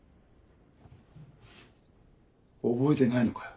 覚えてないのかよ。